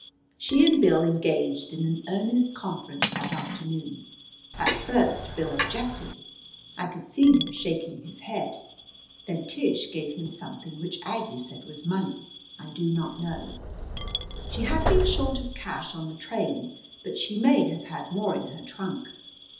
She and Bill engaged in an earnest conference that afternoon. At first Bill objected. I could see him shaking his head. Then Tish gave him something which Aggie said was money. I do not know. She had been short of cash on the train, but she may have had more in her trunk.